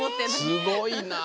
すごいな。